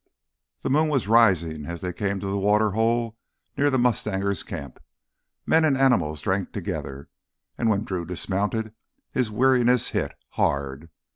The moon was rising as they came to the water hole near the mustangers' camp. Men and animals drank together, and when Drew dismounted his weariness hit—hard.